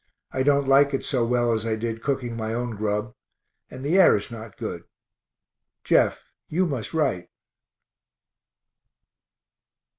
I don't like it so well as I did cooking my own grub and the air is not good. Jeff, you must write.